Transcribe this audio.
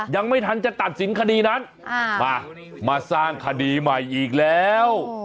ยังไม่ทันจะตัดสินคดีนั้นมามาสร้างคดีใหม่อีกแล้ว